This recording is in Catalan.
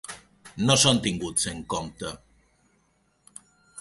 No són tinguts en compte.